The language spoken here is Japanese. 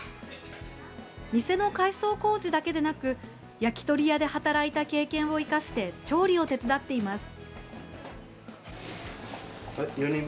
店の改装工事だけでなく焼き鳥屋で働いた経験を生かして調理を手伝っています。